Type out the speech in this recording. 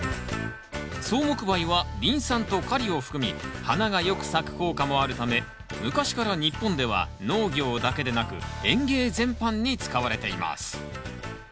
草木灰はリン酸とカリを含み花がよく咲く効果もあるため昔から日本では農業だけでなく園芸全般に使われています。